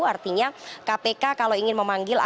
artinya kpk kalau ingin memanggil anggota dewan